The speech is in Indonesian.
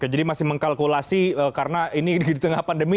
jadi masih mengkalkulasi karena ini di tengah pandemi